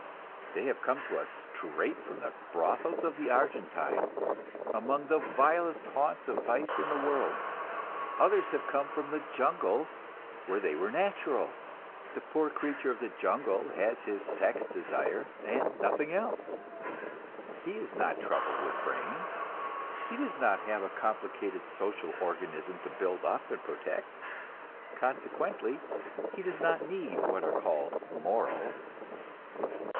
They have come to us straight from the brothels of the Argentine, among the vilest haunts of vice in the world. Others have come from the jungle, where they were natural. The poor creature of the jungle has his sex desire and nothing else; he is not troubled with brains, he does not have a complicated social organism to build up and protect, consequently he does not need what are called "morals."